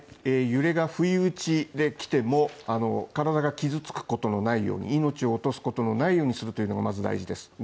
揺れが不意打ちできても体が傷つくことのないように命を落とすことのないようにするというのがまず大事です。